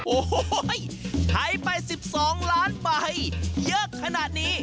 โอ้โหใช้ไป๑๒ล้านใบเยอะขนาดนี้